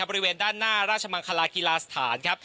บริเวณด้านหน้าราชมังคลากีฬาสถานครับ